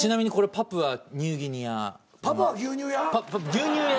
パプアニューギニアの。